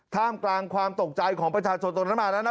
ท่ามกลางความตกใจของประชาชนตรงนั้นมาแล้วนะ